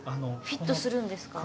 フィットするんですよ。